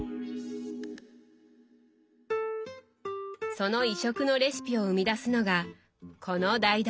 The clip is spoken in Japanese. その異色のレシピを生み出すのがこの台所。